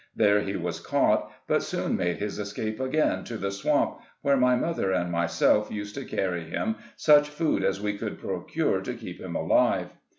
There he was caught, but soon made his escape again to the swamp, where my mother and myself used to carry him such food as we could procure to keep him alive.